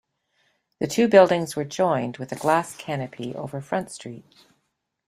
The two buildings were joined with a glass canopy over Front Street.